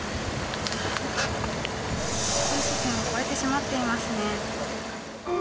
停止線を越えてしまっていますね。